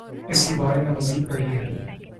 اسی بارے میں مزید پڑھیے